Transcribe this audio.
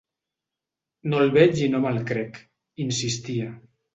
No el veig i no me’l crec, insistia.